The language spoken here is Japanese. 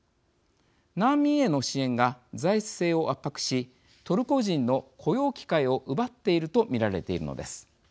難民への支援が財政を圧迫しトルコ人の雇用機会を奪っていると見られているのです。